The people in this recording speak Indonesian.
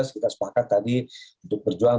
kita sepakat tadi untuk berjuang